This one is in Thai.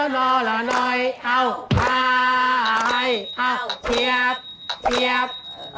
เทียบ